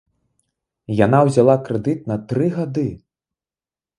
Яна ўзяла крэдыт на тры гады!